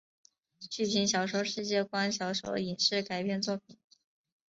剧情小说世界观小说影视改编作品